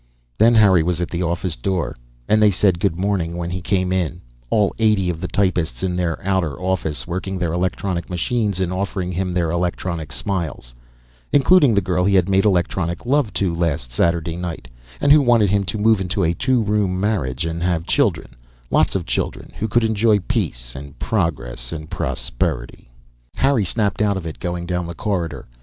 Then Harry was at the office door and they said good morning when he came in, all eighty of the typists in the outer office working their electronic machines and offering him their electronic smiles, including the girl he had made electronic love to last Saturday night and who wanted him to move into a two room marriage and have children, lots of children who could enjoy peace and progress and prosperity. Harry snapped out of it, going down the corridor.